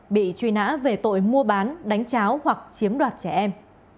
bị truy nã về tội mua bán đánh cháo hoặc chiếm đoạt trẻ em